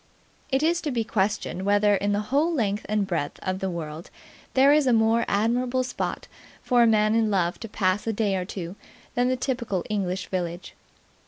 It is to be questioned whether in the whole length and breadth of the world there is a more admirable spot for a man in love to pass a day or two than the typical English village.